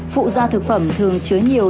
phụ da thực phẩm thường chứa nhiều